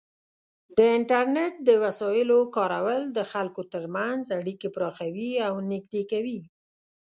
د انټرنیټ د وسایلو کارول د خلکو ترمنځ اړیکې پراخوي او نږدې کوي.